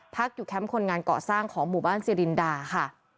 พักอยู่แคมป์คนงานเกาะสร้างของหมู่บ้านสิรินดาค่ะ